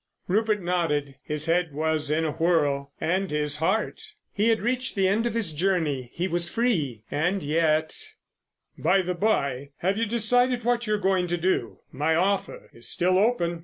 Rupert nodded. His head was in a whirl—and his heart. He had reached the end of his journey. He was free! And yet—— "By the by, have you decided what you're going to do? My offer is still open.